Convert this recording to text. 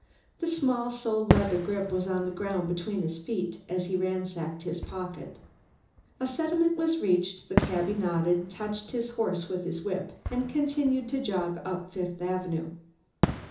The small sole leather grip was on the ground between his feet as he ransacked his pocketbook. A settlement was reached, the cabby nodded, touched his horse with his whip and continued to jog on up Fifth Avenue.